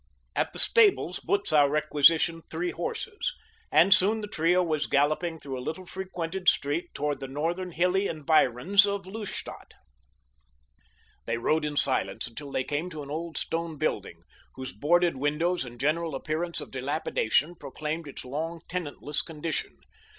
At the stables Butzow requisitioned three horses, and soon the trio was galloping through a little frequented street toward the northern, hilly environs of Lustadt. They rode in silence until they came to an old stone building, whose boarded windows and general appearance of dilapidation proclaimed its long tenantless condition.